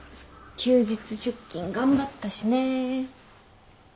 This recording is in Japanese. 休日出勤頑張ったしね。